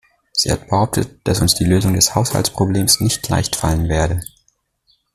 Sie hat behauptet, dass uns die Lösung des Haushaltsproblems nicht leicht fallen werde.